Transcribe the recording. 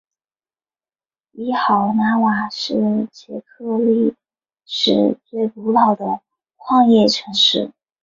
伊赫拉瓦是捷克历史最为古老的矿业城市。